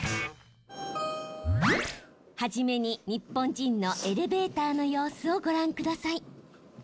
初めに日本人のエレベーターの様子をご覧ください。